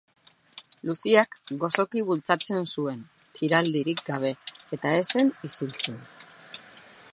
Luciak gozoki bultzatzen zuen, tiraldirik gabe, eta ez zen isiltzen.